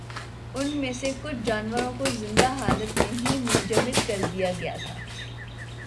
ان میں سے کچھ جانوروں کو زندہ حالت میں ہی منجمد کردیا گیا تھا۔